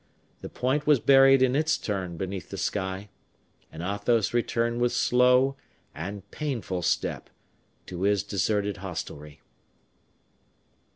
The point was buried in its turn beneath the sky, and Athos returned with slow and painful step to his deserted hostelry.